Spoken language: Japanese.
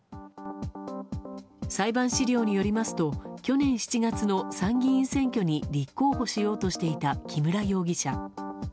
裁判資料によりますと去年７月の参議院選挙に立候補しようとしていた木村容疑者。